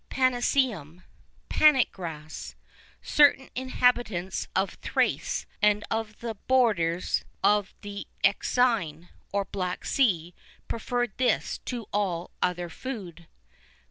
[II 7] Panicum, panic grass.[II 8] Certain inhabitants of Thrace and of the borders of the Euxine, or Black Sea, preferred this to all other food.